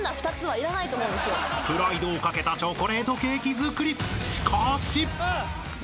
［プライドをかけたチョコレートケーキ作り］